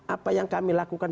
apa yang kami lakukan